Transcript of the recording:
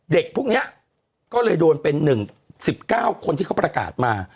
เด็กพวกนี้ก็เลยโดนเป็น๑๑๙คนที่เขาประกาศมา